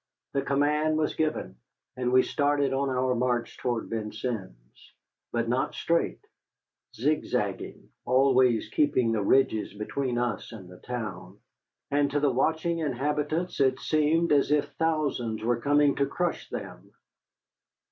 The command was given, and we started on our march toward Vincennes. But not straight, zigzagging, always keeping the ridges between us and the town, and to the watching inhabitants it seemed as if thousands were coming to crush them.